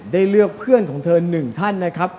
ได้เลือกเพื่อนของเธอ๑ท่านนะครับ